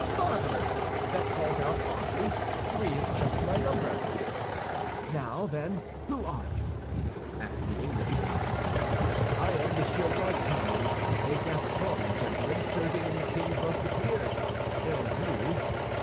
Marvelous! That falls out oddly! Three is just my number!" "Now, then, who are you?" asked the Englishman. "I am Monsieur d'Artagnan, a Gascon gentleman, serving in the king's Musketeers. And you?"